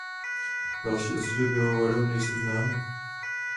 Další osudy pivovaru nejsou známy.